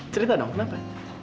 cerita dong kenapa